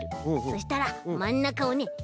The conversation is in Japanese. そしたらまんなかをね